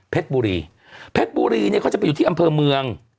บุรีเพชรบุรีเนี่ยเขาจะไปอยู่ที่อำเภอเมือง